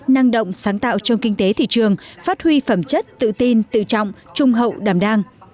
năng động sáng tạo trong kinh tế thị trường phát huy phẩm chất tự tin tự trọng trung hậu đảm đang